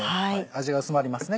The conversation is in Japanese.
味が薄まりますね。